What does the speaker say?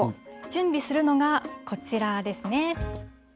準備するのがこちらですね。